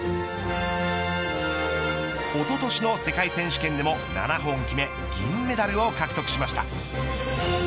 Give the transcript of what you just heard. おととしの世界選手権でも７本を決め銀メダルを獲得しました。